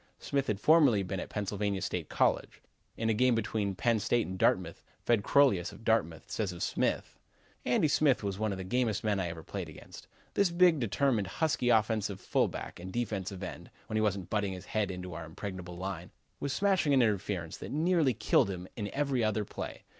Smith had formerly been at Pennsylvania State College. In a game between Penn' State and Dartmouth, Fred Crolius, of Dartmouth, says of Smith: "Andy Smith was one of the gamest men I ever played against. This big, determined, husky offensive fullback and defensive end, when he wasn't butting his head into our impregnable line, was smashing an interference that nearly killed him in every other play.